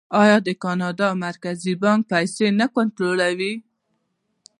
آیا د کاناډا مرکزي بانک پیسې نه کنټرولوي؟